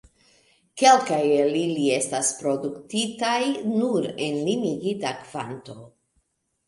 Kelkaj el ili estas produktitaj nur en limigita kvanto.